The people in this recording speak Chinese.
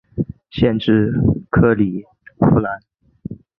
县治克里夫兰。